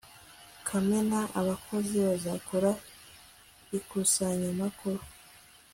Kamena abakozi bazakora ikusanyamakuru